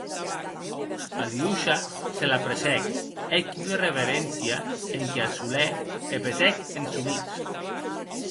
Aliosha se l'apressèc, hec ua reveréncia enquiath solèr e petèc en somics.